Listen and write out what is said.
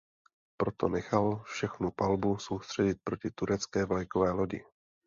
Proto nechal všechnu palbu soustředit proti turecké vlajkové lodi.